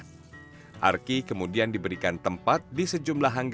arki gilang ramadhan ini akhirnya dilirik dinas lingkungan hidup kabupaten banyumas jawa tengah